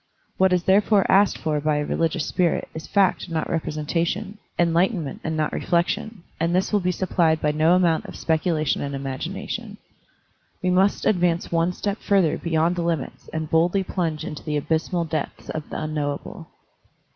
What is therefore asked for by a religious spirit is fact and not representation, enlightenment and not reflection; and this will be supplied by no amount of specu lation and imagination. We must advance one step ftuther beyond the limits and boldly plunge into the abysmal depths of the Unknowable.